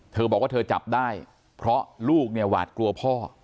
เธอบอกว่าเธอจับได้เพราะลูกเนี่ยหวาดกลัวพ่อ